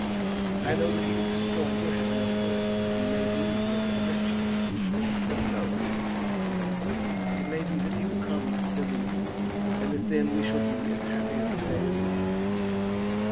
"I know that he has destroyed your happiness for ever, and made me very wretched." "No, mamma; not for ever. It may be that he will come for me, and that then we shall be as happy as the day is long."